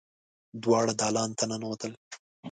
دواړه دالان ته ننوتل.